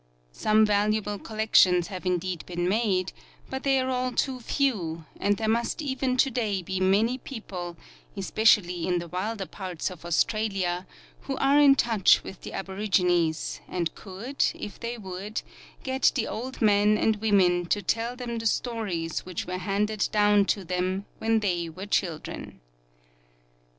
Some valuable collections have indeed been made, but they are all too few ; and there must even to day be many people, especially in the wilder parts of Australia, who are in touch with the aborigines, and could, if they would, get the old men and women to tell them the stories which were handed down to them when they were children.